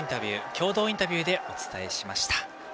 共同インタビューでお伝えしました。